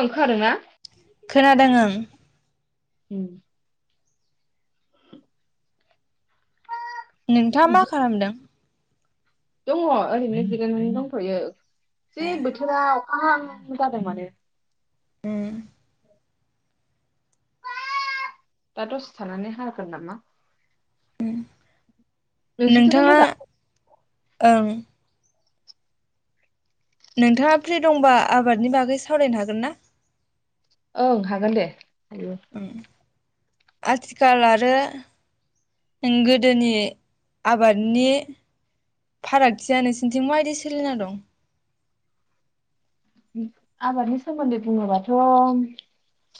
ओं खोनादोंना? खोनादों ओं उम नोंथाङा मा खालामदों? दङ ओरैनो जिरायनानै दंथयो जि ए बोथोराव आं जादों माने उम दा दसे थानानै हागोन नामा नोंसिनिथिंलाय नोंथाङा मोजां? ओं नोंथाङा फ्रि दंबा आबादनि बागै सावरायनो हागोन ना? ओं हागोन दे हायो उम आथिखाल आरो गोदोनि आबादनि फारागथिया नोंसिनिथिं माबायदि सोलिना दं आबादनि सोमोन्दै बुङोबाथ'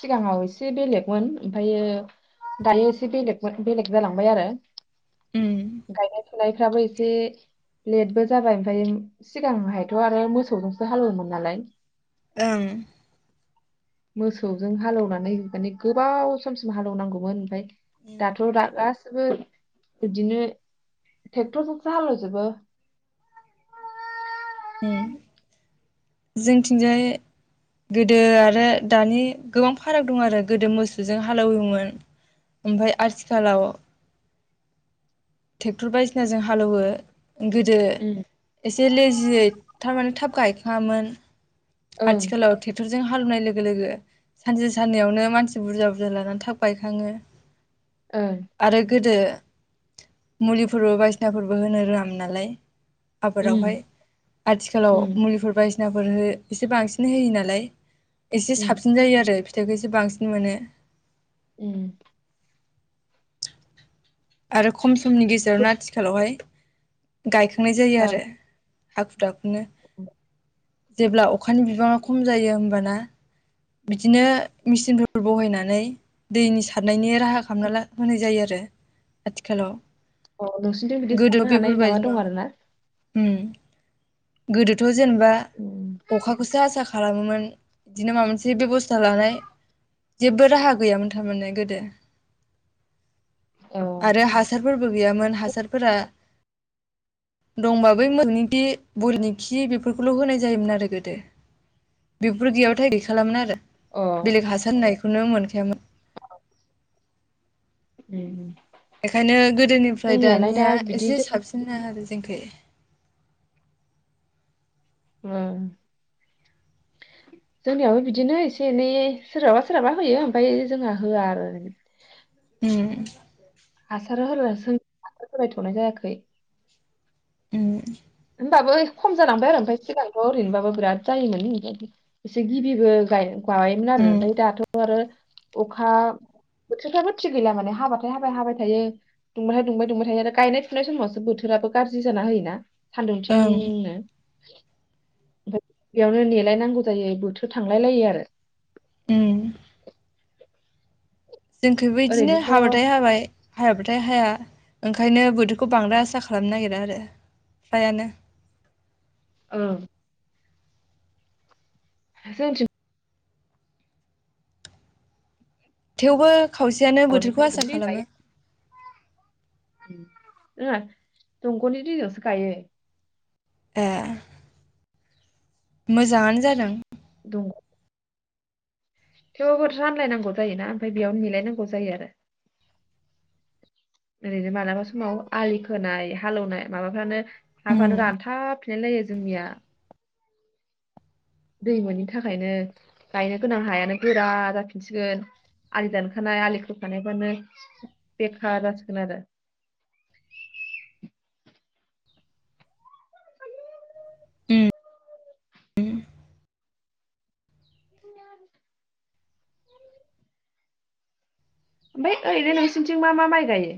सिगाङाव एसे बेलेगमोन ओमफायो दायो एसे बेलेगमोन बेलेग जालांबाय आरो उम गायनाय फुनायफ्राबो एसे लेटबो जाबाय ओमफ्राय सिगांहायथ' आरो मोसौजोंसो हालेवोमोन नालाय ओं मोसौजों हालेवनानै माने गोबाव समसिम हालेवनांगौमोन ओमफ्राय दाथ दा गासैबो बिदिनो ट्रेक्टरजोंसो हालेवजोबो उम जोंथिंजाय गोदो आरो दानि गोबां फाराग दं आरो गोदो मोसौजों हालौवोमोन ओमफ्राय आथिखालाव ट्रेक्टर बायदिसिना जों हालौवो गोदो उम एसे से लेजियै थारमाने थाब गायखाङामोन ओं आथिखााल ट्रेकटरजों जों हालेवनाय लोगो लोगो सानसे साननैयावनो मानसि बुरजायाव बुरजा लानानै थाब गायखाङो ओं आरो गोदो मुलिफोरबो बायदिसिनाफोरबो होनो रोङामोन नालाय आबादावहाय उम आथिखालाव उम मुलिफोर बाय [inaudible] एसे बांसिन होयो नालाय। एसे उम साबसिन जायो आरो फि थाइखौै एसे बांसिन मोनो। उम आरो खम समनि गेजेरावनो आथिखालावहाय गायखांनाय जायो औ आरो हाखु दाखुनो [inaudible] जेब्ला अखानि बिबाङा खम जायो होमबाना बिदिनो मेचिनफोर बहायनानै दैनि सारनायनि राहा खालामना ला होनाय जायो आरो आथिखालाव। औ नोंसिनिथि बिदि गोदो सारनो हानाय बेफोरबायदि माबा दं नङामोन आरोना उम गोदोथ' जेनेबा उम अखाखौसो आसा खालामोमोन। बिदिनो माबा मोनसे बेबस्था लानाय जेबो राहा गैयामोन थारमाने गोदो। औ आरो हासार फोरबो गैयामोन हासारफोरा दंबा बै मोसौनि खि [unintelligible] खि बेफोरखौल होनाय जायोमोन आरो गोदो बेफोर गैयाबाथाय गैखालामोन आरो अ बेलेग हासार होनाय नुनो मोनखायामोन। उम इखायनो गोदोनिफ्राय जोंनियालाय दा दानिया बिदि एसे जों साबसिन [unintelligible] रो जोंखै [inaudible] जोंनियावबो बिदिनो एसे एनै सोरहाबा सोरहाबा होयो ओमफ्राय जोंहा होआ आरो उम हासार होरोसो हासार होलायथनाय जायाखै [unintelligible] होनबाबो खम जालांबाय आरो ओमफ्राय सिगांथ ओरैनोबाबो बिराद जायोमोन एसे गिबिबो गायो गायोमोन आरो उम ओमफ्राय दाथ आरो अखा बोथोरफ्राबो थिग गैला माने हाबाथाय हाबाय हाबाय थायो दुंबाथाय दुंबाय दुंबाय थायो आरो गायनाय फुनाय समावसो बोथोराबो गाज्रि जाना होयोना ओं सान्दुंथिंनो [inaudible] [unintelligible] बेयावनो नेलायनांगौ जायो बोथोर थांलायलायो आरो उम जोंखैबो इदिनो ओरैनोथ' हाबाथाय हाबाय हायाबाथाय हाया ओंखायनो बोथोरखौ बांद्राय आसा खालामनो नागिरा आरो फ्रायानो ओं जोंथिं थेवबो खावसेयानो बोथोरखौ दंग'निफ्राय आसा दै खालामो गायो जोंहा दंगनि दैजोंसो गायो। ए मोजाङानो जादों दंग थेवबो रानलायनांगौ जायोना ओमफ्राय बेयाव नेलायनांगौ जायो आरो ओरैनो मालाबा समाव आलि खोनाय हालौवनाय माबाफ्रानो उम हाफ्रानो रानथाबफिनायलायो जोंनिया दै मोनिनि थाखायनो गायनो गोनां हायानो गोरा जाफिनसिगोन आलि दानखानाय आलि खोखानायफोरानो बेखार जासिगोन आरो उम उम ओमफ्राय ओरैनो नोंसिनिथिं मा मा माइ गायो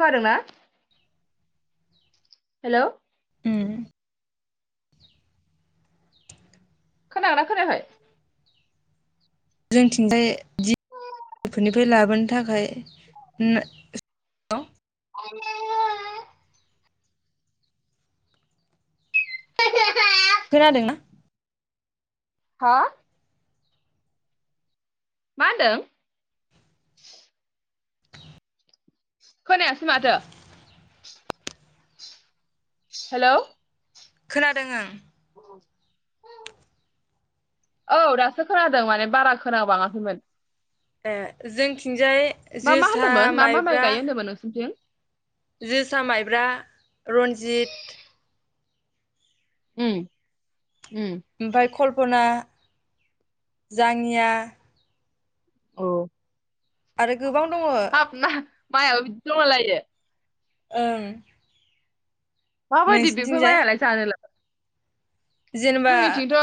खोनादों ना हेलौ उम खोनादोंना खोनायाखै जोंथिंजाय दि बेफोरनिफ्राय लाबोनो थाखाय ना [unintelligible] [unintelligible] खोनादोंना हा मा होनदों खोनायासै माथो हेलौ खोनादों ओं औ दासो खोनादों माने बारा खोना बाङाखैमोन ए जोंथिं जाय मा मा जोसा होनदोंमोन मा मा माइ माइब्रा गायो होन्दोंमोन नोंसिनिथिं जोसा माइब्रा रन्जिथ उम उम ओमफ्राय खल खना जाङिया औ आरो गोबां दङो मायाबो बिदि दंला लायो ओं माबादि बिफोर नोंसिनिथिंजाय मायालाय जानोला जेनेबा जोंनि थिंथ'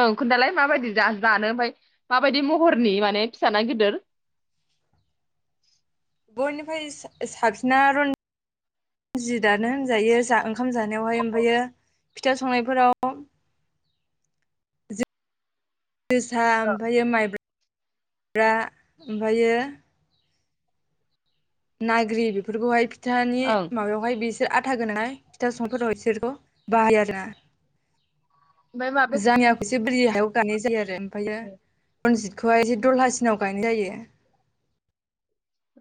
ओं खोन्थालाय माबायदि जा-जानो ओमफाय माबायदि महरनि माने फिसा ना गिदोर? बयनिफाय सा-साबसिना रनजित दानो होनजायो जा ओंखाम जानायावहाय ओमफायो फिथा संनायफोराव जोसा ओमफायो माइब्रा। ब्रा ओमफायो नाग्रि बेफोरखौहाय फिथ थानि ओं माबायावहाय बिसोर आथा गोनां फिथा [unintelligible] इसोरखौ बाहायो आरो ना। ओमफ्राय माबे जामयियाखौ इसे बोरि हायाव गानाय जायो आरो ओमफ्रायो रनजित खौहाय इसे दलहासिनाव गायनाय जायो।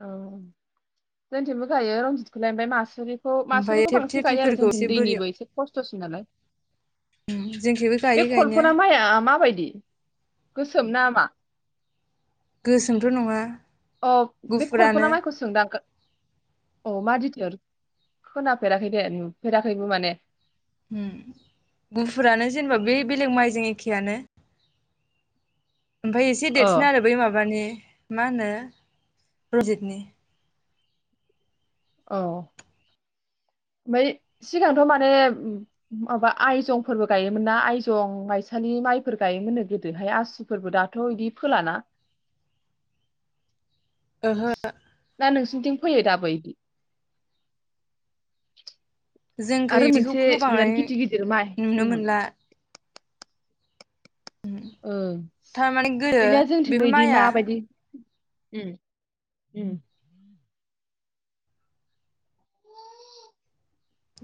औ जोनथिंबो गायो रनजितखौलाय ओमफ्राय मासुरि खौ ओमफ्राय मासुरिखौ बांसिन थेबथे गायो आरो फिफोरखौ जोंनिथिं एसे बोरियाव दैनिबो इसे खस्थसिन नालाय जोंखैबो गायो बे गायनाया खलफना माइआ माबायदि? गोसोम ना मा? गोसोमथ‌ नङा अ बे खलफना गुफुरानो माइखौ सोंदां को औ मादिथ [unintelligible] खोनाफेराखै दे नुफेराखैबो माने। उम गुफुरानो जेनेबा बे बेलेग माइजों एखेआनो। ओमफाय इसे अ देरसिन आरो बै माबानि। मा होनो रन्जितनि औ ओमफ्राय सिगांथ माने माबा आयजंफोरबो गायोमोन ना आयजं माइसालि माइफोर गायोमोननो गोदोहाय आसुफोरबो दाथ इदि फोलाना? ओहो ना नोंसिनिथिं फैयो दाबो इदि? जोंखै आरो बिदिखौ मोनसे फोबांनाय बिराद गिदिर गिदिर माइ नुनो दंमोन। मोनला ओं थारमाने गोदो बेनोया जोंथिंबो बेफोर इदि माइआ माबायदि उम उम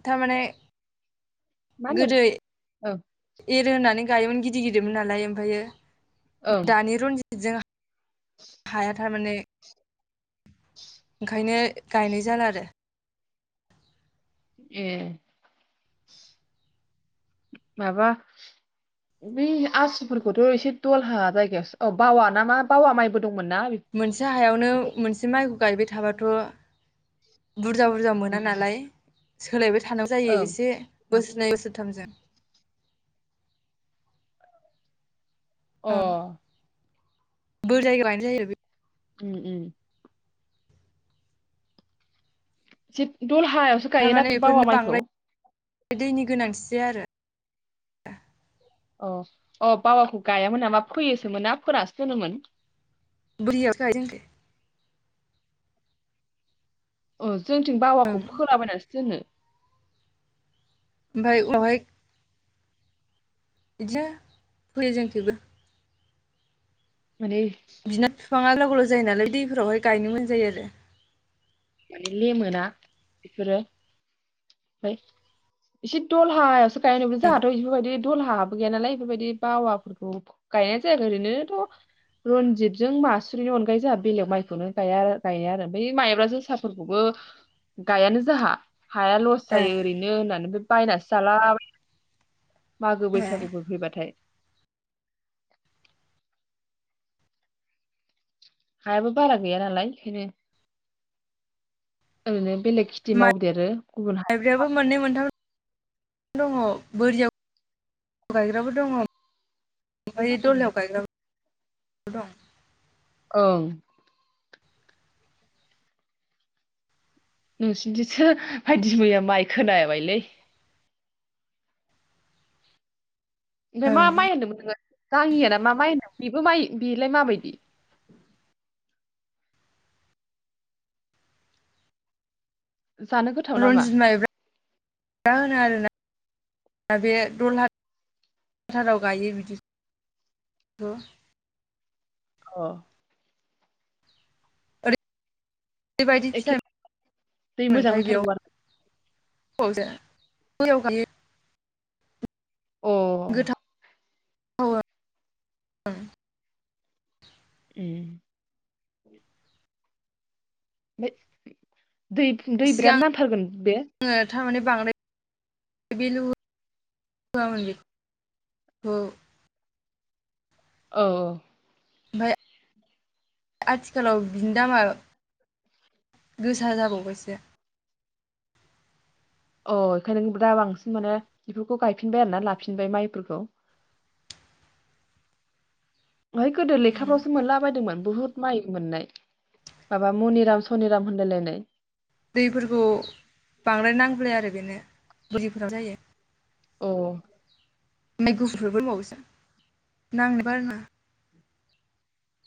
थारमाने मानु गोदो औ एरो होनानै गायोमोन गिदिर गिदिरमोन नालाय ओमफायो। ओं दानि रनजित जोंआ हाया थारमाने ओंखायनो गायनाय जाला आरो ए माबा बै आसुफोरखौथ एसे दलहा जायगायाव औ बावा ना मा बावा माइबो दंमोन ना मोनसे हायावनो बेफोरखौ मोनसे माइ गायबाय थाबाथ बुरजा बुरजा मोना नालाय सोलायबायथ थानांगौ जायो ओं एसे बोसोरनै बोसोरथामजों अ ओं [unintelligible] ओम ओम। [unintelligible] दलहायावसो गायोना थारमाने बे बेफोरनो बावा माइखौ? बांद्राय दैनि गोनांथि जाया आरो अ अ बावाखौ गायामोन नामा फोयोसोमोनना फोनासो दोनोमोन। बोरियावसो गायो जोंनिखै। ओ। जोंनिथिं बावाखौ फोलाबायनानैसो दोनो। ओमफ्राय [unintelligible] बिदिनो फोयो जोंनिखैबो माने बिदिनो बिफांआ गोलाव गोलाव जायो नालाय दैफोरावहाय गायनो मोजां जायो आरो। माने लेमोना बेफोरो ओमफ्राय एसे दलहायावसो गायनो मोजाङाथ' इफोरबायदि दलहा हाबो गैया नालाय बेफोरबायदि बावाफोरखौ गायनाय जाया आरो ओरैनोथ' रनजितजों मासुरिनि अनगायै जोंहा बेलेग माइखौनो गाया गाया आरो बे माइब्रा जोसा फोरखौबो गायानो जोंहा हाया लस जायो आरो ओरैनो होननानैबो बायनानैसो जालाबायो मागो ए बैसागुफोर फैबाथाय। हायाबो बारा गैया नालाय बेखायनो ओरैनो बेलेग खेथि मावदेरो गुबुन हा माइब्रायाबो मोननै मोनथाम दङ बोरियाव गायग्राबो दङ ओमफ्राय दलाहायाव गायग्राबो दं। ओं। नोंसोरनिथिंसो बायदि मैया माइ खोनाबायलै। ओमफ्राय मा माइ ओं होन्दोंमोन नोङो? [unintelligible] ना मा माइ होनो बेबो माइ बेलाय माबायदि जानो गोथाव नामा रन्जित, माइब्रा होनो आरोना दा बे दलहाथाराव गायो बिदिखौ। अ। ओरै बायदि एखे फिथाइ दै मोजां मोनखायो नांथारगौ आरो बेयावहाय [unintelligible] अ उम [unintelligible] उम। [unintelligible] दै दै बिराद नांथारगोन बे? माने बांद्राय भेलु होआमोन बेखौ। औ औ। ओमफ्राय आथिखालाव बिनि दामा गोसा जाबावबायसो। अ ओंखायनो दा बांसिन माने बेफोरखौ गायफिनबाय आरो ना लाफिनबाय माइफोरखौ। ओहाय गोदो लेखाफ्रावसो मोनलाबायायदोंमोन। बुहुत माइ मोननाय माबा मनिराम सनिराम होनलायलायनाय। दैफोरखौ बांद्राय नांलाया आरो। बेनो बोरिफोराव जायो। अ। ओमफ्राय गुफुरबो दंबावोसो नांनो बाना।